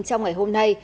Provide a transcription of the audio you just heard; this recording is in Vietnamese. trong ngày hôm nay